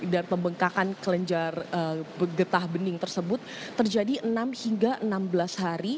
dan pembengkakan kelenjar getah bening tersebut terjadi enam hingga enam belas hari